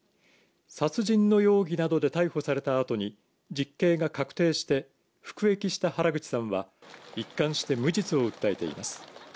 殺人の容疑などで逮捕されたあとに実刑が確定して服役した原口さんは一貫して無実を訴えています。